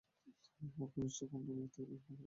আমার কনিষ্ঠ কণ্যা গায়েত্রীকে সম্প্রদান করছি।